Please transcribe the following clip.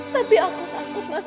tapi aku takut mas